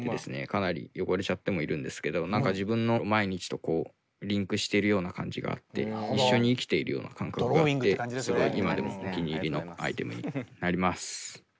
かなり汚れちゃってもいるんですけど何か自分の毎日とこうリンクしているような感じがあって一緒に生きているような感覚があってすごい今でもお気に入りのアイテムになります。